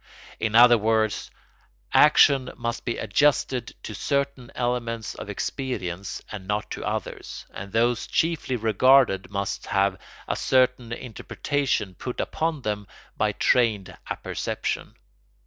In other words, action must be adjusted to certain elements of experience and not to others, and those chiefly regarded must have a certain interpretation put upon them by trained apperception.